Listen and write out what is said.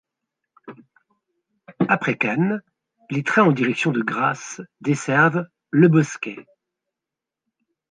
Après Cannes, les trains en direction de Grasse desservent Le Bosquet.